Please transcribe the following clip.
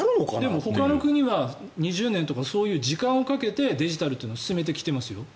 でも、ほかの国は２０年とかそういう時間をかけてデジタルを進めてきていますよ。